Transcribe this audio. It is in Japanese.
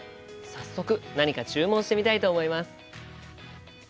早速何か注文してみたいと思います。